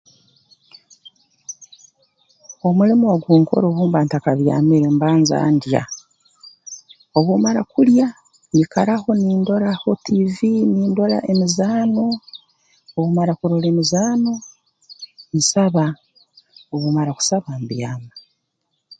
Omulimo ogunkora obu mba ntakabyamire mbanza ndya obu mmara kulya nyikaraho nindoraho tiivi nindora emizaano obu mmara kurora emizaano nsaba obu mmara kusaba mbyama